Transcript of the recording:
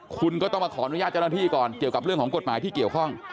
คุณก็ต้องมาขออนุญาตเจ้าหน้าที่ก่อนเกี่ยวกับเรื่องของกฎหมายที่เกี่ยวข้อง